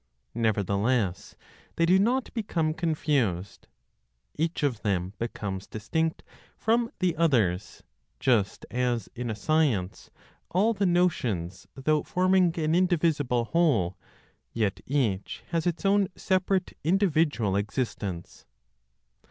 Nevertheless, they do not become confused. Each of them becomes distinct from the others, just as in a science all the notions, though forming an indivisible whole, yet each has its own separate individual existence.